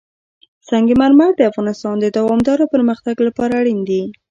سنگ مرمر د افغانستان د دوامداره پرمختګ لپاره اړین دي.